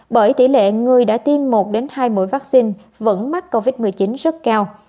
bởi tỷ lệ người đã tiêm một hai mũi vaccine vẫn mắc covid một mươi chín rất cao